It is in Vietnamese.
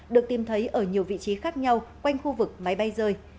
được tìm thấy ở nhiều vị trí khác nhau quanh khu vực máy bay rơi